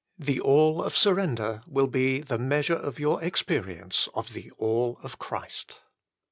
The All of surrender will be the measure of your experience of the All of Christ.